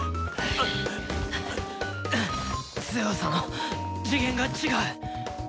強さの次元が違う！